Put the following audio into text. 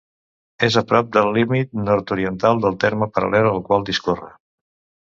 És a prop del límit nord-oriental del terme, paral·lel al qual discorre.